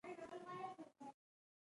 هم یې پېژنو او هم واره نه راته کوي.